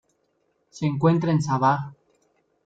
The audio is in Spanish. Se encuentra en Sabah.